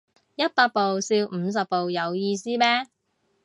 一百步笑五十步有意思咩